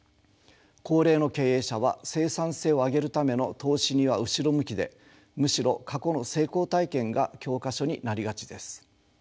高齢の経営者は生産性を上げるための投資には後ろ向きでむしろ過去の成功体験が教科書になりがちです。